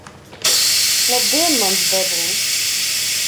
Labdien mans bebulis